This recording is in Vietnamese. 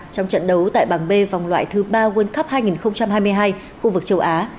trong trận đấu tại bảng b vòng loại thứ ba world cup hai nghìn hai mươi hai khu vực châu á